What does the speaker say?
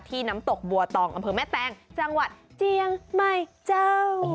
น้ำตกบัวตองอำเภอแม่แตงจังหวัดเจียงใหม่เจ้า